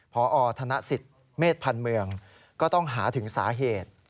พอธนสิทธิ์เมษพันธ์เมืองก็ต้องหาถึงสาเหตุ